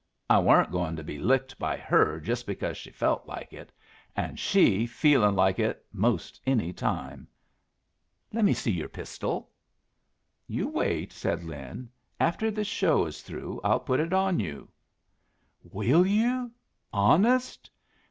I weren't going to be licked by her just because she felt like it, an' she feeling like it most any time. Lemme see your pistol." "You wait," said Lin. "After this show is through I'll put it on you." "Will you, honest?